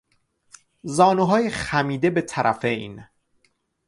زانوهای خمیده به طرفین